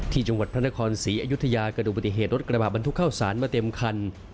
ที่จังหวัดพระนครศรีอยุธยากระดูกปฏิเหตุรถกระบะบรรทุกเข้าสารมาเต็มคัน